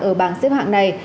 ở bảng xếp hạng này